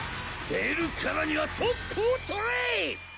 出るからにはトップを取れ！